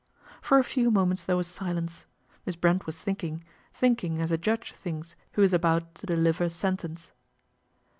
For a few moments there was silence. Miss Lrent was thinking, thinking as a judge thinks rho is about to deliver sentence.